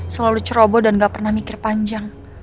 selalu ceroboh dan gak pernah mikir panjang